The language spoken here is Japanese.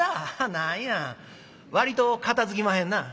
何や割と片づきまへんな」。